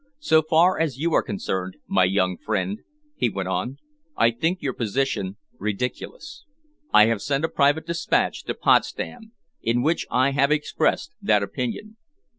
So far as you are concerned, my young friend," he went on, "I think your position ridiculous. I have sent a private despatch to Potsdam, in which I have expressed that opinion."